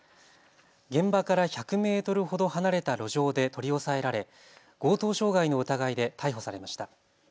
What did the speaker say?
現場から１００メートルほど離れた路上で取り押さえられ強盗傷害の疑いで逮捕されました。